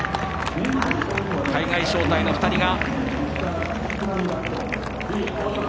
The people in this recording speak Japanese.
海外招待の２人が。